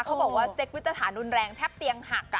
เขาบอกว่าเซ็กวิตรฐานรุนแรงแทบเตียงหัก